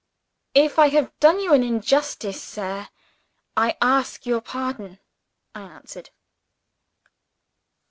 "If I have done you an injustice, sir, I ask your pardon," I answered.